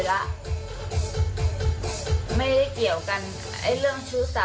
ไอ้เรื่องชู้สาวไม่เกี่ยวกัน